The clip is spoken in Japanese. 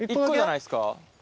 １個じゃないですか？